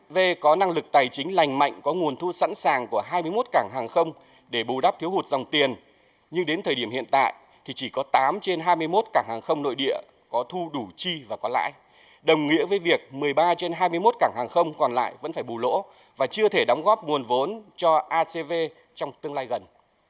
mốt cảng hàng không còn lại vẫn phải bù lỗ và chưa thể đóng góp nguồn vốn cho acv trong tương lai gần